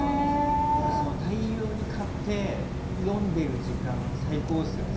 やっぱり大量に買って読んでる時間が最高ですよね。